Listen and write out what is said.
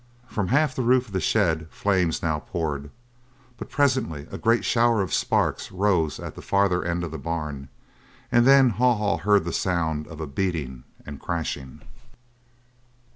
From half the roof of the shed flames now poured, but presently a great shower of sparks rose at the farther end of the barn, and then Haw Haw heard the sound of a beating and crashing.